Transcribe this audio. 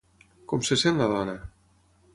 Com se sent la dona?